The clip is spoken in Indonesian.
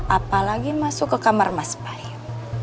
apalagi masuk ke kamar mas bayu